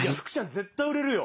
絶対売れるよ！